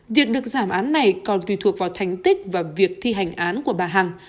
việc được giảm án này còn tùy thuộc vào thành tích và việc thi hành án của bà hằng